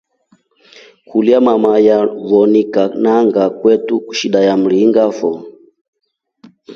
Kulya mama nyawonika nanga kwete shida ya mringa foo.